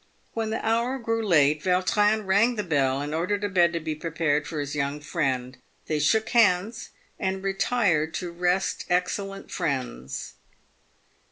When the hour grew late, Vautrin rang the bell, and ordered a bed to be prepared for his young friend. They shook hands and retired to rest excellent friends.